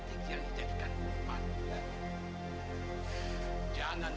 ibu jangan dengar